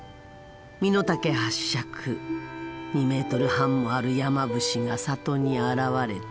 身の丈８尺２メートル半もある山伏が里に現れた。